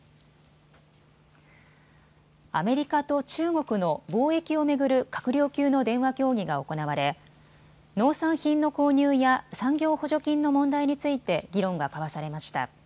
アメリカと中国の貿易を巡る閣僚級の電話協議が行われ農産品の購入や産業補助金の問題について議論が交わされました。